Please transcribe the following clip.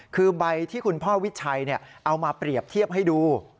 คือใบที่คุณพ่อวิชัยเอามาเปรียบเทียบให้ดู